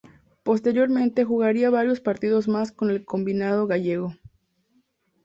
Posteriormente jugaría varios partidos más con el combinado gallego.